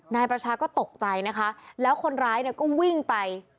นายประชาก็ตกใจนะคะแล้วคนร้ายเนี่ยก็วิ่งไป